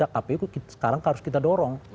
kpu sekarang harus kita dorong